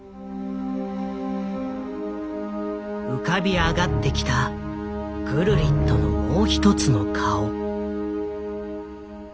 浮かび上がってきたグルリットのもう一つの顔。